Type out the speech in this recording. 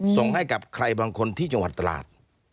ส่งให้กับใครบางคนที่จังหวัดตราด